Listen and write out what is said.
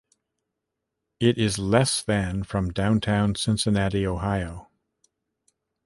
It is less than from downtown Cincinnati, Ohio.